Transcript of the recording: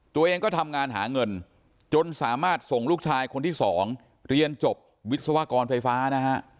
ตัวเองก็ทำงานหาเงินจนสามารถส่งลูกชายคนที่สองเรียนจบวิศวกรไฟฟ้านะฮะ